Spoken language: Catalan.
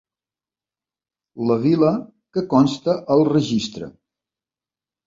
La vila que consta al registre.